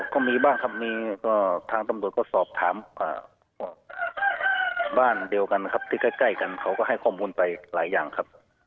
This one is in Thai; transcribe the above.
ก็มีบ้างครับมีก็ทางตำรวจก็สอบถามบ้านเดียวกันนะครับที่ใกล้กันเขาก็ให้ข้อมูลไปหลายอย่างครับ